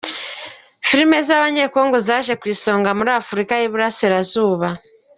Filimi z’Abanyekongo zaje ku isonga muri afurika yiburasira zuba